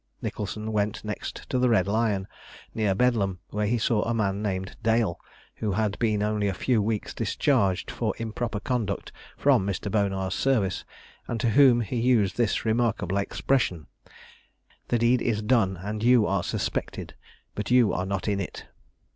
Nicholson went next to the Red Lion, near Bedlam, where he saw a man named Dale, who had been only a few weeks discharged for improper conduct from Mr. Bonar's service; and to whom he used this remarkable expression: "The deed is done, and you are suspected; but you are not in it."